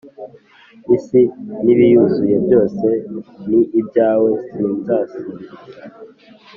isi nibiyuzuye byose ni ibyawe sinza sabiriza